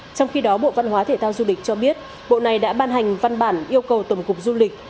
trong khi đó bộ văn hóa thể thao du lịch cho biết bộ này đã ban hành văn bản yêu cầu tổng cục du lịch